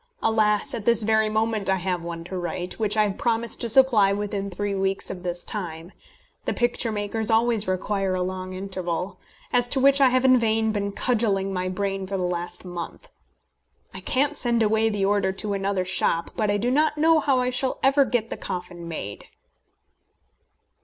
Alas! at this very moment I have one to write, which I have promised to supply within three weeks of this time, the picture makers always require a long interval, as to which I have in vain been cudgelling my brain for the last month. I can't send away the order to another shop, but I do not know how I shall ever get the coffin made.